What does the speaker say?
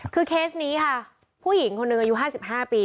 คือเคสนี้ค่ะผู้หญิงคนหนึ่งอายุ๕๕ปี